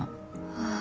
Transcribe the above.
ああ。